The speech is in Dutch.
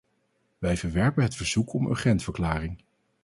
Wij verwerpen het verzoek om urgentverklaring.